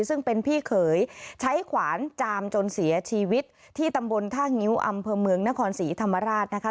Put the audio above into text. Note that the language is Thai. ซึ่งเป็นพี่เขยใช้ขวานจามจนเสียชีวิตที่ตำบลท่างิ้วอำเภอเมืองนครศรีธรรมราชนะคะ